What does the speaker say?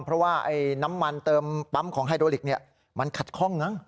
เพราะว่าน้ำมันเติมปั๊มของไฮโดลิกมันขัดข้องมั้ง